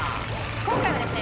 今回はですね